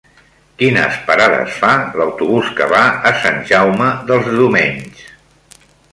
Quines parades fa l'autobús que va a Sant Jaume dels Domenys?